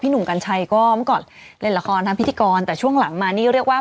หนุ่มกัญชัยก็เมื่อก่อนเล่นละครทั้งพิธีกรแต่ช่วงหลังมานี่เรียกว่า